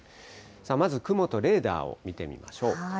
まず雲とレーダーを見てみましょう。